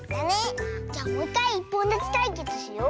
じゃもういっかいいっぽんだちたいけつしよう！